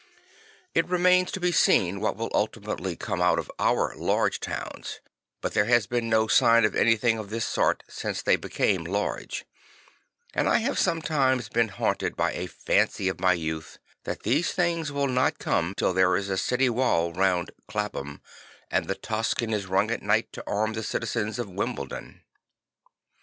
I t remains to be seen what will ultimately come out of our large towns; but there has been no sign of any thing of this sort since they became large; and I have sometimes been haunted by a fancy of my youth, that these things will not come till there is a city wall round Clapham and the tocsin is rung at night to arm the citizens of Wimbledon.